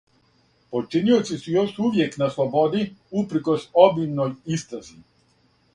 Починиоци су још увијек на слободи, упркос обимној истрази.